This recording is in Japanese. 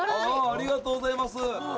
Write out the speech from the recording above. ありがとうございます。